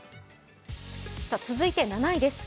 続いて７位です。